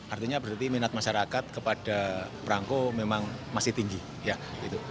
artinya berarti minat masyarakat kepada perangko memang masih tinggi ya